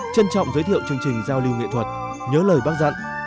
trân trọng giới thiệu chương trình giao lưu nghệ thuật nhớ lời bác dặn